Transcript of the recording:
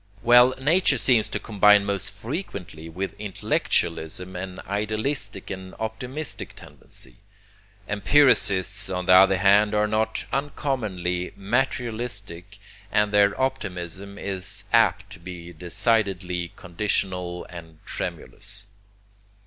Well, nature seems to combine most frequently with intellectualism an idealistic and optimistic tendency. Empiricists on the other hand are not uncommonly materialistic, and their optimism is apt to be decidedly conditional and tremulous.